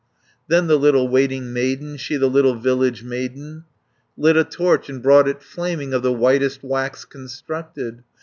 Then the little waiting maiden, She the little village maiden, Lit a torch, and brought it flaming, Of the whitest wax constructed.